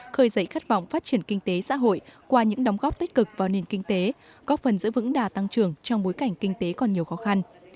khơi dậy khát vọng phát triển kinh tế xã hội qua những đóng góp tích cực vào nền kinh tế góp phần giữ vững đà tăng trưởng trong bối cảnh kinh tế còn nhiều khó khăn